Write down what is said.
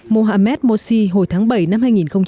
mohamed morsi hồi tháng bảy năm hai nghìn một mươi ba